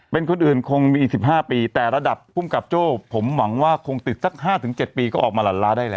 เป็นคนอื่นคงมีอีก๑๕ปีแต่ระดับภูมิกับโจ้ผมหวังว่าคงติดสัก๕๗ปีก็ออกมาหลั่นล้าได้แล้ว